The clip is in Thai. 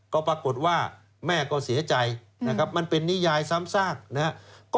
ก็ปรากฏว่าแม่ก็เสียใจมันเป็นนิยายซ้ำซาก